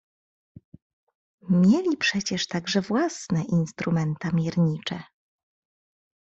"Mieli przecież także własne instrumenta miernicze."